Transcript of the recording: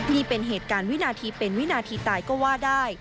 นี่เป็นเหตุการณ์วินาทีเป็นวินาทีตายก็ว่าได้